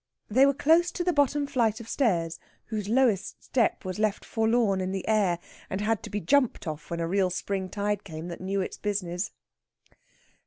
They were close to the bottom flight of stairs, whose lowest step was left forlorn in the air, and had to be jumped off when a real spring tide came that knew its business.